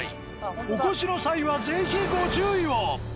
お越しの際は是非ご注意を。